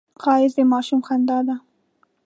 ښایست د ماشوم خندا ده